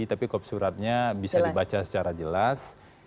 tapi kok suratnya bisa dibaca secara jelas